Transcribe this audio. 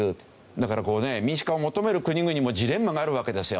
だからこうね民主化を求める国々もジレンマがあるわけですよ。